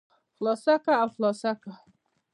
خلاصه که او خلاصه که.